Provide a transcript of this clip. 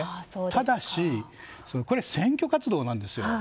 ただしこれは選挙活動なんです。